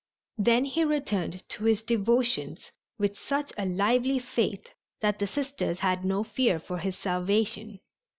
Then he returned to his devotions with such a lively faith that the Sisters had no fear for his salvation.